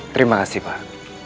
terima kasih pak